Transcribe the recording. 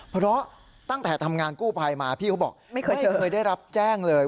เพราะตั้งแต่ทำงานกู้ภัยมาพี่เขาบอกไม่เคยได้รับแจ้งเลย